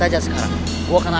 kita pelong aja ya